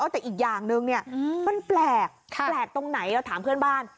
แต่อีกอย่างนึงเนี่ยมันแปลกแปลกตรงไหนเราถามเพื่อนบ้าน